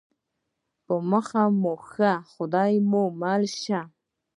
په مخه مو ښه خدای مو مل شه